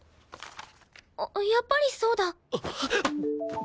やっぱりそうだ。